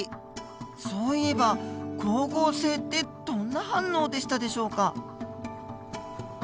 そういえば光合成ってどんな反応でしたでしょうか。